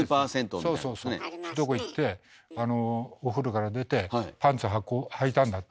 そうそうそういうとこ行ってお風呂から出てパンツはいたんだって。